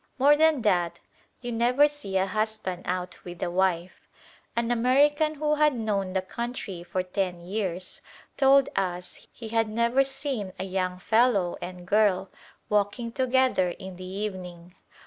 More than that: you never see a husband out with a wife. An American who had known the country for ten years told us that he had never seen a young fellow and girl walking together in the evening.